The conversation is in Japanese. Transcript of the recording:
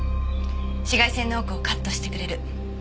紫外線の多くをカットしてくれる。